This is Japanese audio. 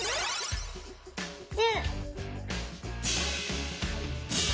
１０！